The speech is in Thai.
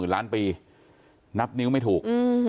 ล้านปีนับนิ้วไม่ถูก